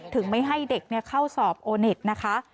ไม่ให้เด็กเข้าสอบโอเน็ตนะคะ